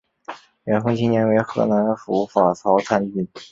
元丰七年为河南府法曹参军。